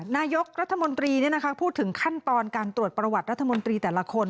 นายกรัฐมนตรีพูดถึงขั้นตอนการตรวจประวัติรัฐมนตรีแต่ละคน